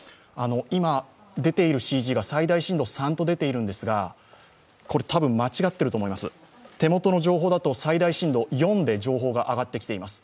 今、出ているＣＧが最大震度３と出ているんですが、たぶん間違っていると思います、手元の情報だと、最大震度４で情報が上がってきています。